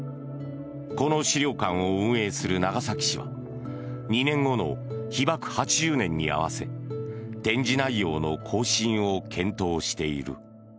この資料館を運営する長崎市は２年後の被爆８０年に合わせ展示内容の更新を検討している。